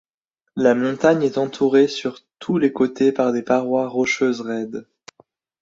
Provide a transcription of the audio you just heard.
La montagne est entourée sur tous les côtés par des parois rocheuses raides.